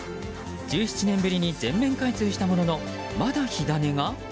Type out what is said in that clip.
１７年ぶりに全面開通したもののまだ火種が？